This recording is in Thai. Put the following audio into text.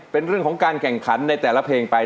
เป็นเรื่องของการแข่งขันในแต่ละเพลงไป